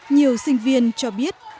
nhiều sinh viên cho biết